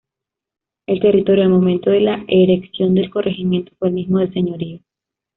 El territorio al momento de la erección del corregimiento fue el mismo del señorío.